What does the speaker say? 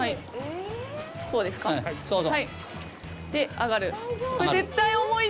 はい。